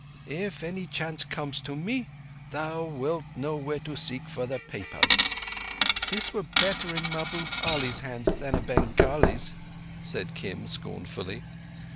Only if any chance comes to me thou wilt know where to seek for the papers." "This were better in Mahbub Ali's hands than a Bengali's," said Kim scornfully.